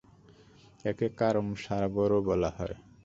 একে কারম সাগরও বলা হয়।